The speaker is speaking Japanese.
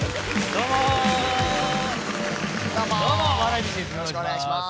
よろしくお願いします。